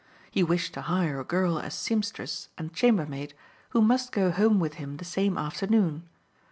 He wished to hire a girl as seamstress and chambermaid, who must go home with him the same afternoon.